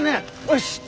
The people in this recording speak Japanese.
よし！